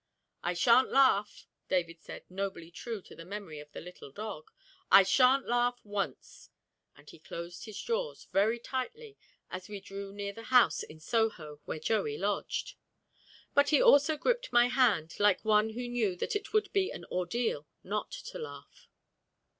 "I sha'n't laugh," David said, nobly true to the memory of the little dog, "I sha'n't laugh once," and he closed his jaws very tightly as we drew near the house in Soho where Joey lodged. But he also gripped my hand, like one who knew that it would be an ordeal not to laugh.